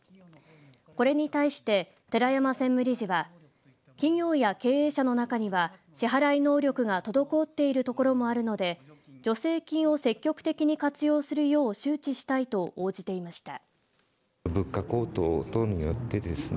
これに対して寺山専務理事は企業や経営者の中には支払い能力が滞っている所もあるので助成金を積極的に活用するよう周知したいと応じていました。